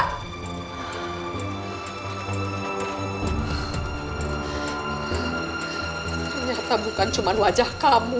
ternyata bukan cuma wajah kamu